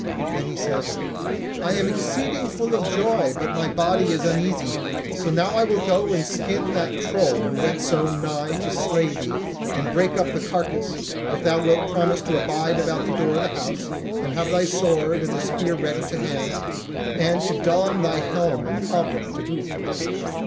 Then he said: "I am exceeding full of joy, but my body is uneasy; so I will now go and skin that troll who went so nigh to slay thee, and break up the carcase, if thou wilt promise to abide about the door of the house, and have thy sword and the spear ready to hand, and to don thine helm and hauberk to boot."